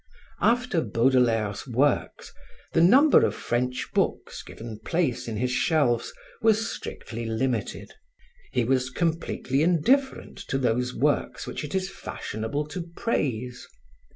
After Baudelaire's works, the number of French books given place in his shelves was strictly limited. He was completely indifferent to those works which it is fashionable to praise.